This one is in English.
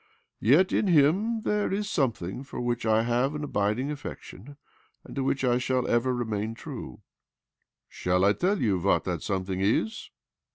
' .Yet in him there is something for which I have an abiding affec tion, and to which I shall ever remain true." ' Shall I tell you what that something is